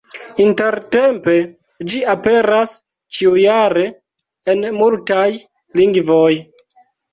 Intertempe ĝi aperas ĉiujare en multaj lingvoj.